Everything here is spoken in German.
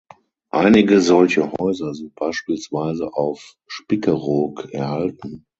Einige solche Häuser sind beispielsweise auf Spiekeroog erhalten.